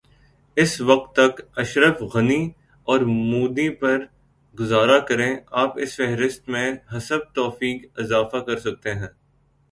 اس وقت تک اشرف غنی اورمودی پر گزارا کریں آپ اس فہرست میں حسب توفیق اضافہ کرسکتے ہیں۔